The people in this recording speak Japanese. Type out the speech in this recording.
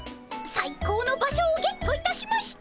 最高の場所をゲットいたしました！